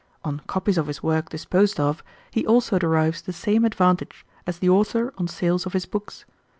On copies of his work disposed of, he also derives the same advantage as the author on sales of his books.